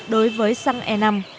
đối với xăng e năm